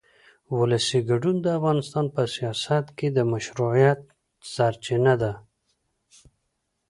ولسي ګډون د افغانستان په سیاست کې د مشروعیت سرچینه ده